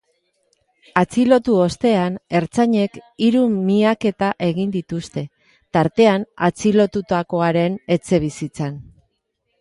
Atxilotu ostean, ertzainek hiru miaketa egin dituzte, tartean atxilotutakoaren etxebizitzan.